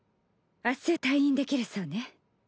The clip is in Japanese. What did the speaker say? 明日退院できるそうね。